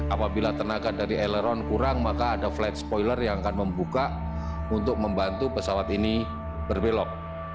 apabila tenaga dari aileron kurang maka ada flight spoiler yang akan membuka untuk membantu pesawat ini berbelok